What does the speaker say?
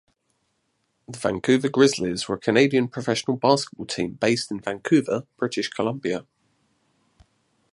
The Vancouver Grizzlies were a Canadian professional basketball team based in Vancouver, British Columbia.